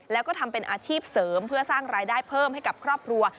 แล้วก็ทำเป็นอาชีพเสริมเพื่อสร้างรายได้เพิ่มให้กับครอบครัว